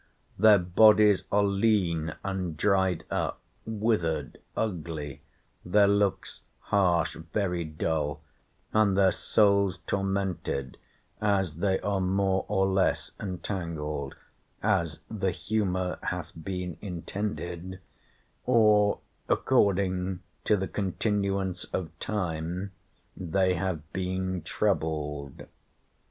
Their bodies are lean and dried up, withered, ugly; their looks harsh, very dull, and their souls tormented, as they are more or less entangled, as the humor hath been intended, or according to the continuance of time they have been troubled.